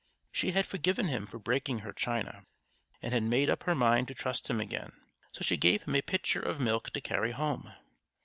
She had forgiven him for breaking her china, and had made up her mind to trust him again; so she gave him a pitcher of milk to carry home.